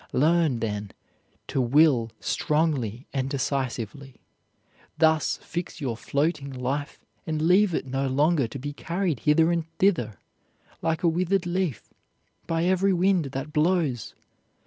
Learn, then, to will strongly and decisively; thus fix your floating life and leave it no longer to be carried hither and thither, like a withered leaf, by every wind that blows.